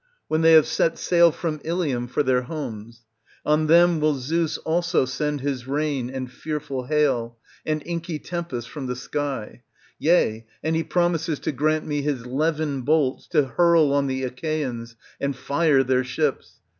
When they have set sail from Ilium for their homes. On them will Zeus also send his rain and fearful hail, and inky tempests from the sky ; yea, artd he promises to grant me his levin bolts to hurl on the Achaeans and fire their ships.